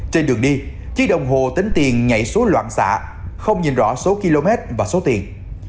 trên đường đi chí đồng hồ tính tiền nhảy xuống loạn xạ không nhìn rõ số km và số tiền